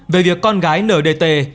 về việc con gái nở đề tề